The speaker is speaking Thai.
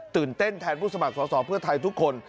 เต้นแทนผู้สมัครสอสอเพื่อไทยทุกคน